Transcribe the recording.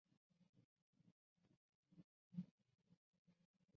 首三种血凝素则常见于人类流感病毒。